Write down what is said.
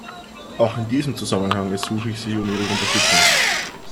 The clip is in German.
Auch in diesem Zusammenhang ersuche ich Sie um Ihre Unterstützung.